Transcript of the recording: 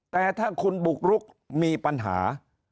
แต่ถ้าคุณบุกรุกมีปัญหา